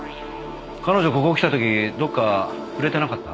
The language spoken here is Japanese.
彼女ここに来た時どこか触れてなかった？